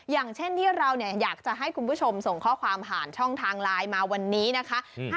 อย่างเช่นที่เราอยากจะให้คุณผู้ชมส่งข้อความผ่านช่องทางไลน์มาวันนี้นะคะ